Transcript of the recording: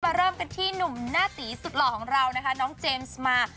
เริ่มกันที่หนุ่มหน้าตีสุดหล่อของเรานะคะน้องเจมส์มา